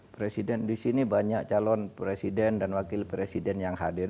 presiden di sini banyak calon presiden dan wakil presiden yang hadir